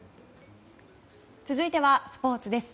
続いてはスポーツです。